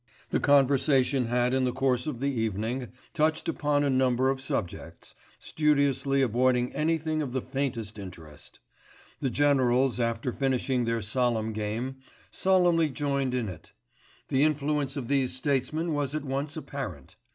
The conversation had in the course of the evening touched upon a number of subjects, studiously avoiding anything of the faintest interest; the generals, after finishing their solemn game, solemnly joined in it: the influence of these statesmen was at once apparent.